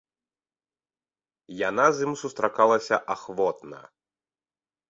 Яна з ім сустракалася ахвотна.